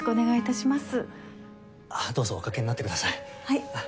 あっおかけになってくださいははっ。